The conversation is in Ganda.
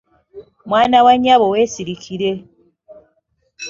Mwana wa nnyabo weesirikire